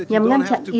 đối với kỳ hạn yên